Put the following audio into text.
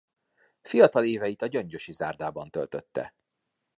Fiatal éveit a gyöngyösi zárdában töltötte.